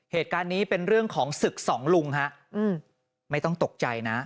เหตุการณ์นี้เป็นเรื่องของศึกสองลุงฮะไม่ต้องตกใจนะ